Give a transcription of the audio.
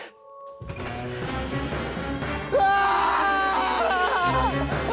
うわ！